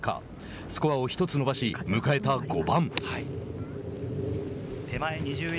スコアを１つ伸ばし迎えた５番。